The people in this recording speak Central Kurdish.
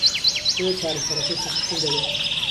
بۆیه چارەسەرەکهی سەختتر دەبێت.